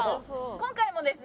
今回もですね